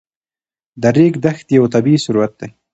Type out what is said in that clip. د ریګ دښتې یو طبعي ثروت دی.